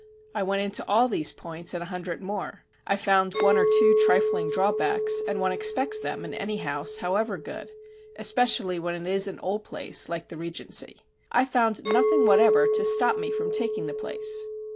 I went into all these points and a hundred more. I found one or two trifling drawbacks, and one expects them in any house, however good especially when it is an old place like the Regency. I found nothing whatever to stop me from taking the place.